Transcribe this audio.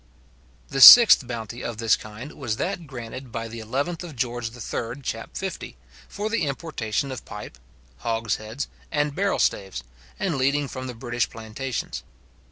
The sixth Bounty of this kind was that granted by 11th Geo. III. chap. 50, for the importation of pipe, hogshead, and barrelstaves and leading from the British plantations.